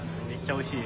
おいしい？